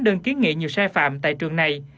đơn kiến nghị nhiều sai phạm tại trường này